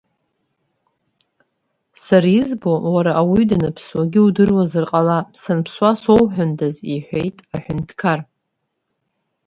Сара избо, уара ауаҩы данԥсуагьы удыруазар ҟалап, санԥсуа соуҳәондаз, — иҳәеит аҳәынҭқар.